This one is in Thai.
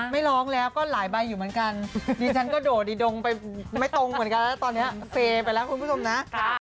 ไม่ร้องแล้วก็หลายใบอยู่เหมือนกันดิฉันก็โดดอีดงไปไม่ตรงเหมือนกันแล้วตอนนี้เฟย์ไปแล้วคุณผู้ชมนะ